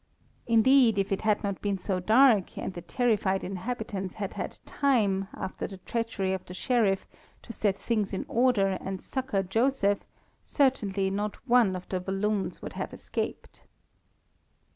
Indeed, if it had not been so dark, and the terrified inhabitants had had time, after the treachery of the Sheriff, to set things in order and succour Joseph, certainly not one of the Walloons would have escaped.